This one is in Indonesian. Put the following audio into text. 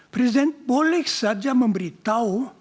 presiden boleh saja memberitahu